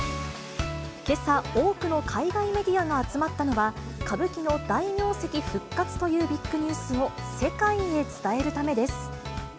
けさ、多くの海外メディアが集まったのは、歌舞伎の大名跡復活というビッグニュースを世界へ伝えるためです。